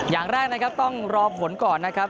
อย่างแรกต้องรอผลก่อนนะครับ